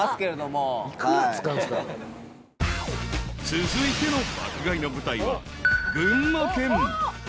［続いての爆買いの舞台は群馬県］